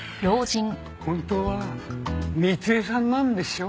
本当は光枝さんなんでしょ？